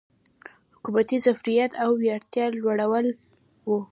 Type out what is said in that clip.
حکومتي ظرفیت او وړتیا لوړول و.